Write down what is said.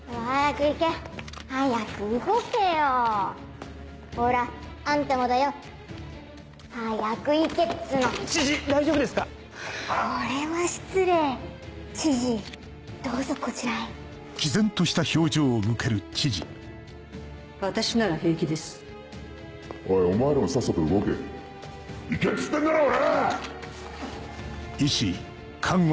行けっつってんだろほら！